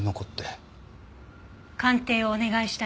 鑑定をお願いした